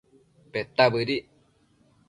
Peta bëdic